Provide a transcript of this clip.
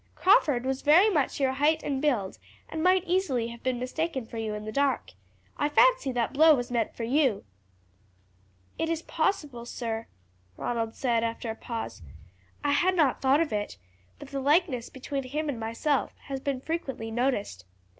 Crawford was very much your height and build, and might easily have been mistaken for you in the dark. I fancy that blow was meant for you." "It is possible, sir," Ronald said after a pause. "I had not thought of it; but the likeness between him and myself has been frequently noticed.